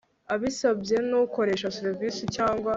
abisabwe n ukoresha serivisi cyangwa